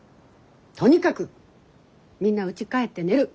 とにかくみんなうち帰って寝る。